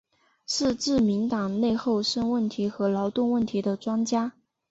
是自民党内厚生问题和劳动问题的专家。